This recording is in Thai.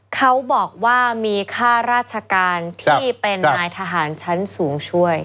เขาบอกว่ามีค่าราชการที่เป็นนายทหารชั้นสูงช่วย